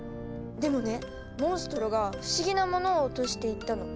でもねモンストロが不思議なものを落としていったの。